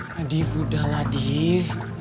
nadif udahlah nadif